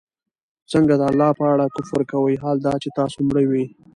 څنگه د الله په اړه كفر كوئ! حال دا چي تاسو مړه وئ